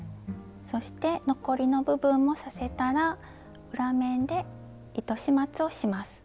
そして残りの部分も刺せたら裏面で糸始末をします。